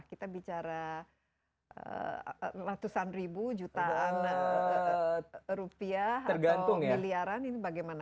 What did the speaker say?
kita bicara ratusan ribu jutaan rupiah atau miliaran ini bagaimana